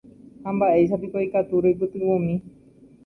Ha mba'éichapiko ikatu roipytyvõmi